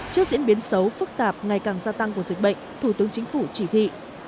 trước diễn biến xấu phức tạp ngày càng gia tăng của dịch bệnh thủ tướng chính phủ chỉ thị